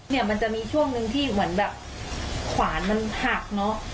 เนี่ยมันจะมีช่วงหนึ่งที่เหมือนแบบขวานมันหักเนอะ